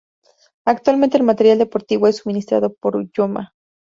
Actualmente el material deportivo es suministrado por Joma.